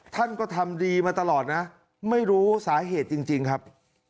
ท่านก็ทำดีมาตลอดนะไม่รู้สาเหตุจริงครับ